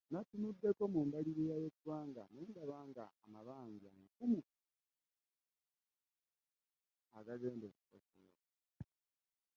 Nnatunuddeko mu mbalirira y'eggwanga ne ndaba ng'amabanja nkumu agenda okusasulwa